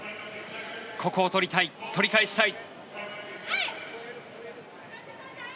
ここを取りたい、取り返したい。